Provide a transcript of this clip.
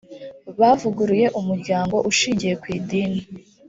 bavuguruye umuryango ushingiye ku idini